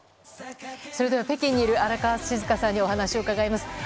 ；それでは北京にいる荒川静香さんにお話を伺います。